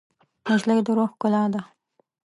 نجلۍ د روح ښکلا ده.